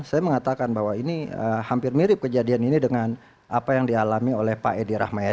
saya mengatakan bahwa ini hampir mirip kejadian ini dengan apa yang dialami oleh pak edi rahmayadi